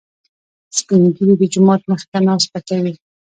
سپين ږيري د جومات مخې ته ناسته کوي.